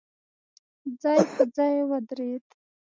ځای په ځای ودرېد.